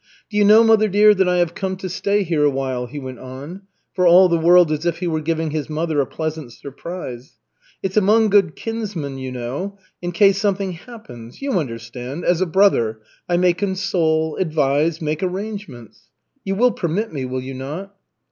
"Do you know, mother dear, that I have come to stay here a while?" he went on, for all the world as if he were giving his mother a pleasant surprise. "It's among good kinsmen, you know. In case something happens you understand, as a brother I may console, advise, make arrangements. You will permit me, will you not?"